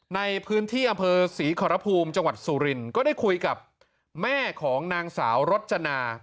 ในพื้นที่อำเภอศรีขอรภูมิจังหวัดสุรินก็ได้คุยกับแม่ของนางสาวรจนา